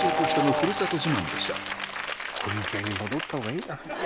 こりん星に戻った方がいいな。